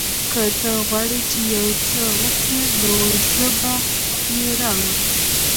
که ته غواړې چې یو څه وخورې، زه به یې راوړم.